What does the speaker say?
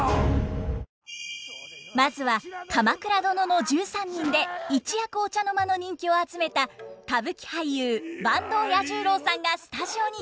まずは「鎌倉殿の１３人」で一躍お茶の間の人気を集めた歌舞伎俳優坂東彌十郎さんがスタジオに登場。